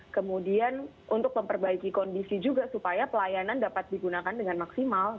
kemudian untuk memperbaiki kondisi juga supaya pelayanan dapat digunakan dengan maksimal